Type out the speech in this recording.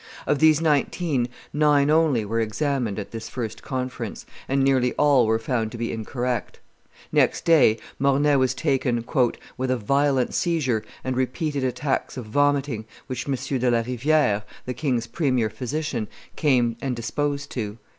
Of these nineteen nine only were examined at this first conference, and nearly all were found to be incorrect. Next day, Mornay was taken "with a violent seizure and repeated attacks of vomiting, which M. de la Riviere, the king's premier physician, came and deposed to."